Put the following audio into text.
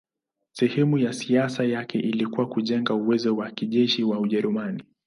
Sehemu ya siasa yake ilikuwa kujenga uwezo wa kijeshi wa Ujerumani.